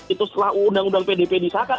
itu setelah uu pdp disahkan